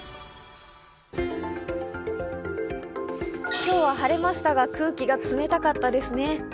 今日は晴れましたが、空気が冷たかったですね。